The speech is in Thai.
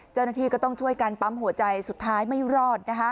เจ้าหน้าที่ก็ต้องช่วยกันปั๊มหัวใจสุดท้ายไม่รอดนะคะ